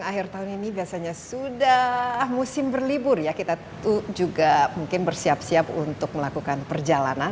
akhir tahun ini biasanya sudah musim berlibur ya kita juga mungkin bersiap siap untuk melakukan perjalanan